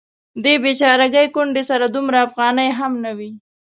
دې بیچارګۍ کونډې سره دومره افغانۍ هم نه وې.